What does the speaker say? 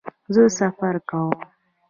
زه سفر کوم